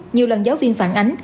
nhiều lần giáo viên phản ánh